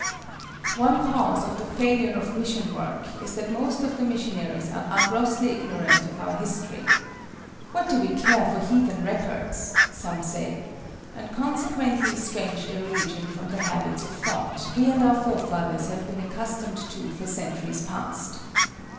One cause of the failure of mission work is that most of the missionaries are grossly ignorant of our history—"What do we care for heathen records?" some say—and consequently estrange their religion from the habits of thought we and our forefathers have been accustomed to for centuries past.